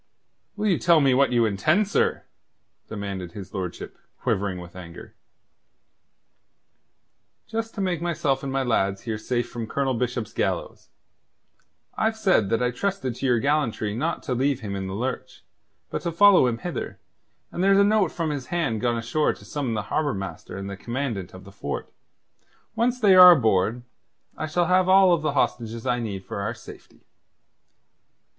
"Will you tell me what you intend, sir?" demanded his lordship, quivering with anger. "Just to make myself and my lads here safe from Colonel Bishop's gallows. I've said that I trusted to your gallantry not to leave him in the lurch, but to follow him hither, and there's a note from his hand gone ashore to summon the Harbour Master and the Commandant of the fort. Once they are aboard, I shall have all the hostages I need for our safety."